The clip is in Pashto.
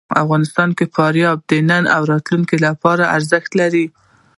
افغانستان کې فاریاب د نن او راتلونکي لپاره ارزښت لري.